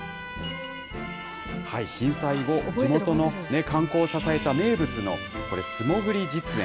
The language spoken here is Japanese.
震災後、地元の観光を支えた名物の、これ、素潜り実演。